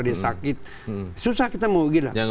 dia sakit susah kita mau gila